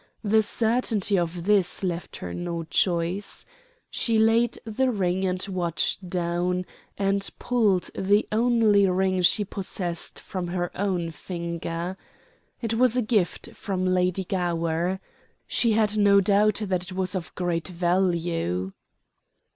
The certainty of this left her no choice. She laid the ring and watch down and pulled the only ring she possessed from her own finger. It was a gift from Lady Gower. She had no doubt that it was of great value.